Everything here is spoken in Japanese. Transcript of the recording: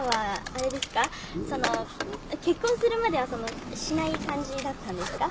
結婚するまではしない感じだったんですか？